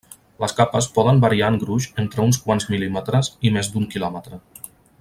Les capes poden variar en gruix entre uns quants mil·límetres i més d'un quilòmetre.